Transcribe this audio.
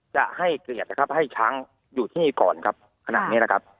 จะให้เกียรตินะครับให้ช้างอยู่ที่นี่ก่อนครับขณะนี้นะครับ